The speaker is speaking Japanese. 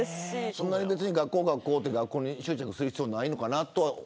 そんなに学校学校って、学校に執着する必要はないのかなと。